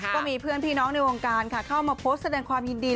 ก็มีเพื่อนพี่น้องในวงการค่ะเข้ามาโพสต์แสดงความยินดี